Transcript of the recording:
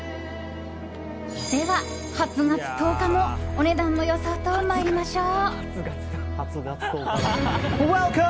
では、８月１０日もお値段の予想と参りましょう。